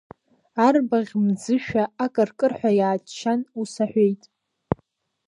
Арбаӷь мӡышәа акыр-кырҳәа иааччан, ус аҳәеит…